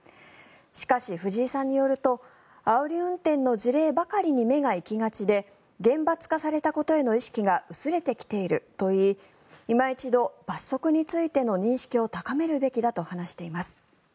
しかし、藤井さんによるとあおり運転の事例ばかりに目が行きがちで厳罰化されたことへの意識が薄れてきているといいいま一度、罰則についての認識を高めるべきだと話しています。